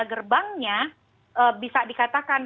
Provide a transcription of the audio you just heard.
gerbangnya bisa dikatakan